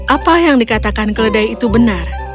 apa yang dikatakan keledai itu benar